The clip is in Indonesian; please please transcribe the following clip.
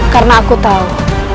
karena aku tahu